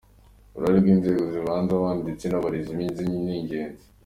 Uruhare rw’Inzego z’ibanze, abaganga ndetse n’abarezi ni ingenzi.